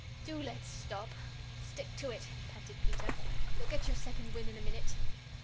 Do let's stop." "Stick to it," panted Peter; "you'll get your second wind in a minute."